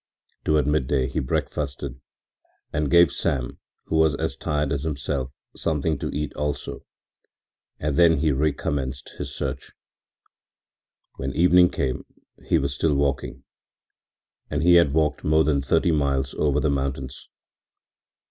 Toward midday he breakfasted and gave Sam, who was as tired as himself, something to eat also, and then he recommenced his search. When evening came he was still walking, and he had walked more than thirty miles over the mountains.